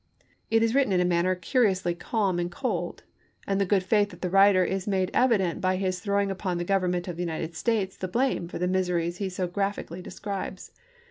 1 It is written in a manner curiously calm and cold, and the good faith of the writer is made evi dent by his throwing upon the Government of the United States the blame for the miseries he so graphically describes.